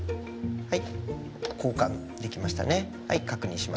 はい。